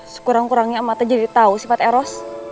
sekurang kurangnya emak teh jadi tau sifat eros